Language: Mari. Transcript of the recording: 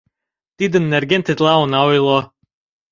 Тидын нерген тетла она ойло.